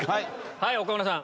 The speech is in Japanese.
はい岡村さん。